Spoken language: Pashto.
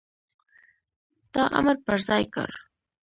تا امر پر ځای کړ،